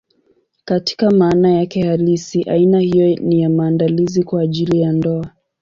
Katika maana yake halisi, aina hiyo ni ya maandalizi kwa ajili ya ndoa.